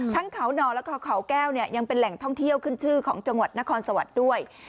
ทั้งเขานอนแล้วก็เขาแก้วเนี่ยยังเป็นแหล่งท่องเที่ยวขึ้นชื่อของจังหวัดนครสวรรค์ด้วย